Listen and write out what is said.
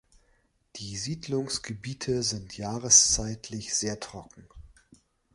Die Siedlungsgebiete sind jahreszeitlich sehr trocken.